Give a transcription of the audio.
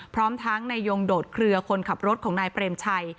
พร้อมทั้งนายยงโดดเคลือคนขับรถของนายเปรมชัย